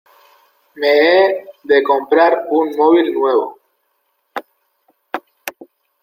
Me he de comprar un móvil nuevo.